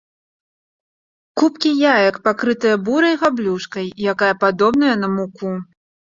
Купкі яек пакрытыя бурай габлюшкай якая падобная на муку.